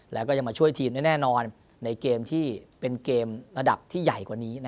แล้วก็ยังมาช่วยทีมได้แน่นอนในเกมที่เป็นเกมระดับที่ใหญ่กว่านี้